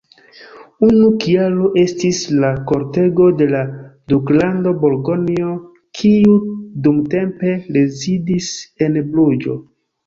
Unu kialo estis la kortego de la Duklando Burgonjo, kiu dumtempe rezidis en Bruĝo.